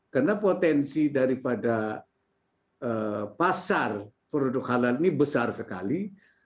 karena potensi daripada pasar produk halal ini besar sekali